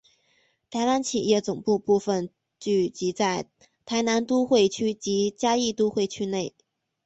台湾企业总部部份聚集在台南都会区及嘉义都会区内。